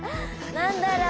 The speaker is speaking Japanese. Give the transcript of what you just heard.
何だろう？